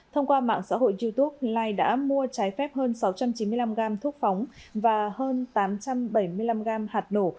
thông qua mạng xã hội youtube lai đã mua trái phép hơn sáu trăm chín mươi năm gram thuốc phóng và hơn tám trăm bảy mươi năm gram hạt nổ